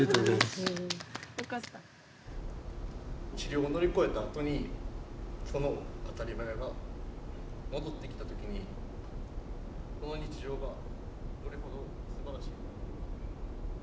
治療を乗り越えたあとにその当たり前が戻ってきた時にこの日常がどれほどすばらしい。